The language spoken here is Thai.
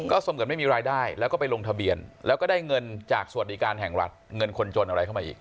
สมกับไม่มีรายได้แล้วก็ไปลงทะเบียนแล้วก็ได้เงินจากสวัสดิการแห่งรัฐเงินคนจนอะไรเข้ามาอีก